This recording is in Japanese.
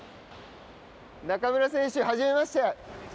中村選手、はじめまして。